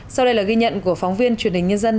sau đây là ghi nhận của phóng viên truyền hình nhân dân